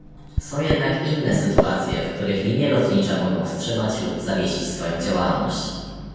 Są jednak inne sytuacje, w których linie lotnicze mogą wstrzymać lub zawiesić swoją działalność